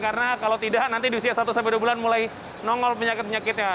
karena kalau tidak nanti di usia satu dua bulan mulai nongol penyakit penyakitnya